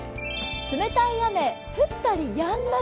冷たい雨、降ったりやんだり。